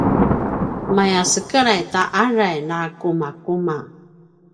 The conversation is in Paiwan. maya sekelay ta aray na kumakuma